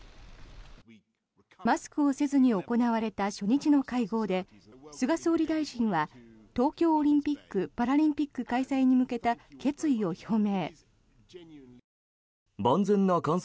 マスクをせずに行われた初日の会合で菅総理大臣は東京オリンピック・パラリンピック開催に向けた決意を表明。